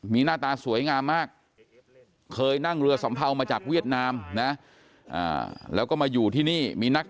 มีหน้าตาสวยงามมากเคยนั่งเรือสำเภามาจากเวียดนามนะ